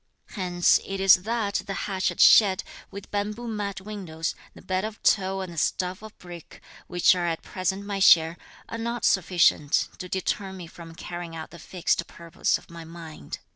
Hence it is that the thatched shed, with bamboo mat windows, the bed of tow and the stove of brick, which are at present my share, are not sufficient to deter me from carrying out the fixed purpose of my mind.